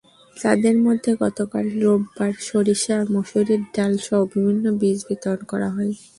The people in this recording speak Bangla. তাঁদের মধ্যে গতকাল রোববার সরিষা, মসুরির ডালসহ বিভিন্ন বীজ বিতরণ করা হয়।